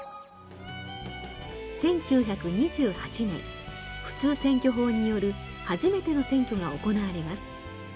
１９２８年普通選挙法による初めての選挙が行われます。